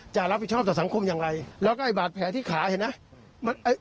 จะรับผิดชอบต่อสังคมอย่างไรแล้วก็ไอ้บาดแผลที่ขาเห็นไหม